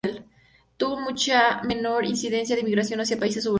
Tuvo mucha menor incidencia la emigración hacia países europeos.